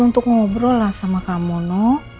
untuk ngobrol lah sama kamu no